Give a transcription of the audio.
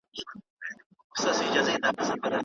ايا انلاين زده کړه د ځان مسؤليت ته اړتيا لري؟